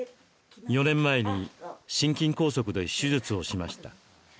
４年前に心筋梗塞で手術をしました。